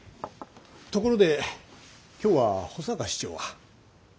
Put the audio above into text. ところで今日は保坂市長は？